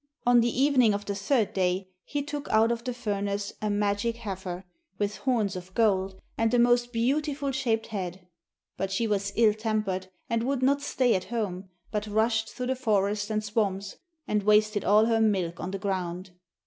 On the evening of the third day he took out of the furnace a magic heifer, with horns of gold and the most beautifully shaped head. But she was ill tempered and would not stay at home, but rushed through the forest and swamps and wasted all her milk on the ground.